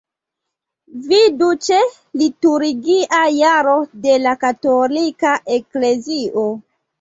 Vidu ĉe Liturgia jaro de la Katolika Eklezio.